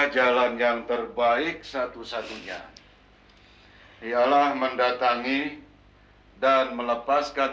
jangan sekali kali terfikirkan